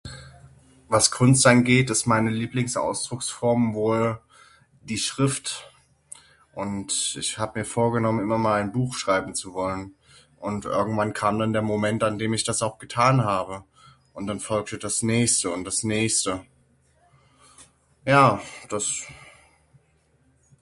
Was Kunst angeht ist meine Lieblingsausdrucksform wohl die Schrift und ich hab mir vorgenommen immer mal ein Buch schreiben zu wollen. Und irgendwann kam dann der Moment an dem ich das auch getan habe und dann folgte das Nächste und das Nächste. Ja das.